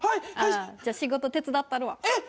じゃあ仕事手伝ったるわ。